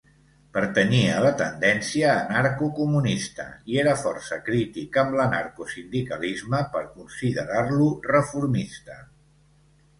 Pertanyia a la tendència anarcocomunista i era força crític amb l'anarcosindicalisme per considerar-lo reformista.